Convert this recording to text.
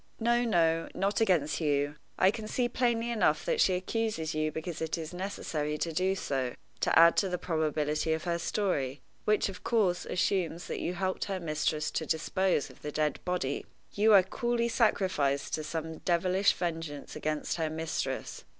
"No, no, not against you. I can see plainly enough that she accuses you because it is necessary to do so to add to the probability of her story, which, of course, assumes that you helped your mistress to dispose of the dead body. You are coolly sacrificed to some devilish vengeance against her mistress.